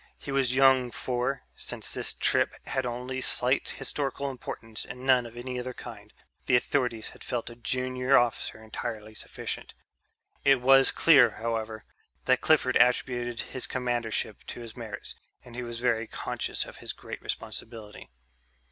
He was young for, since this trip had only slight historical importance and none of any other kind, the authorities had felt a junior officer entirely sufficient. It was clear, however, that Clifford attributed his commandership to his merits, and he was very conscious of his great responsibility.